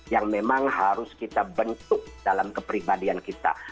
yang memang harus kita bentuk dalam kepribadian kita